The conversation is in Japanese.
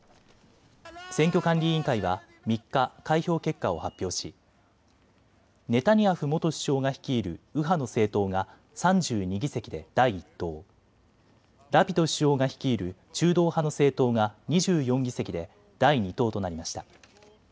選挙管理委員会は３日、開票結果を発表しネタニヤフ元首相が率いる右派の政党が３２議席で第１党、ラピド首相が率いる中道派の政党が２４議席で第２党となりました。